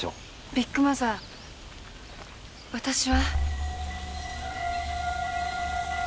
ビッグマザー私は。